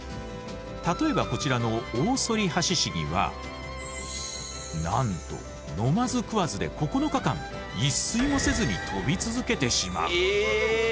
例えばこちらのオオソリハシシギはなんと飲まず食わずで９日間一睡もせずに飛び続けてしまう。